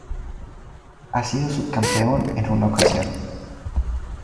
Ha sido subcampeón en una ocasión.